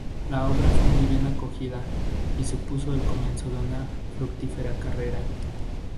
La obra fue muy bien acogida y supuso el comienzo de una fructífera carrera.